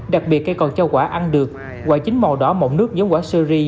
đặc biệt cây còn cho quả ăn được quả chín màu đỏ mộng nước giống quả sơ ri